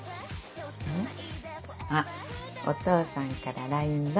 あっお父さんからＬＩＮＥだ。